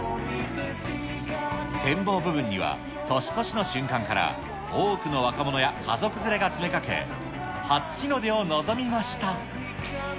展望部分には、年越しの瞬間から多くの若者や家族連れが詰めかけ、初日の出を望みました。